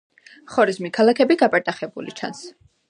ხორეზმი ქალაქები გაპარტახებული ჩანს.